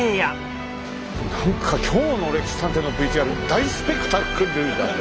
何か今日の「歴史探偵」のＶＴＲ大スペクタクルだね！